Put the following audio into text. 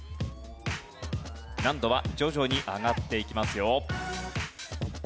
難度は徐々に上がっていきますよ。